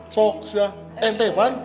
sok sudah ente bon